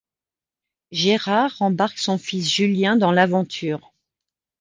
Gérard embarque son fils Julien dans l'aventure.